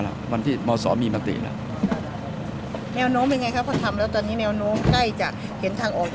แนวโน้มเป็นไงครับพอทำแล้วตอนนี้แนวโน้มใกล้จะเห็นทางออก